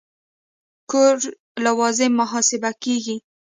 کور لوازم محاسبه کېږي.